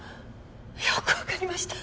よくわかりました！